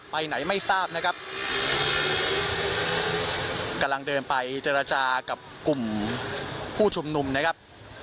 ไปไหนไม่ทราบนะครับกำลังเดินไปเจรจากับกลุ่มผู้ชุมนุมนะครับ